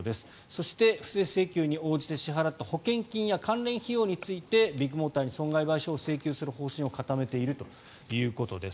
そして、不正請求に応じて支払った保険金や関連費用についてビッグモーターに損害賠償請求をする方針を固めているということです。